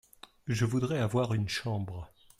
Je voudrais avoir une chambre.